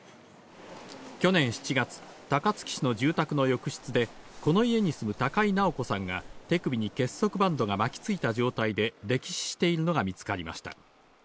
去年７月、高槻市の住宅の浴室でこの家に住む高井直子さんが手首に結束バンドが巻きついた状態で溺死しているのが見つかりました。